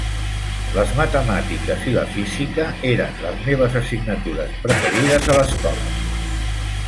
Les matemàtiques i la física eren els meus assignatures preferides a l'escola.